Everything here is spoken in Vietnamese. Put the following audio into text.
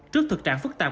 trước thực trạng phức tạp